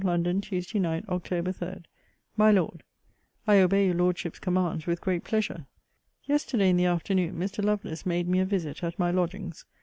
LONDON, TUESDAY NIGHT, OCT. 3. MY LORD, I obey your Lordship's commands with great pleasure. Yesterday in the afternoon Mr. Lovelace made me a visit at my lodgings.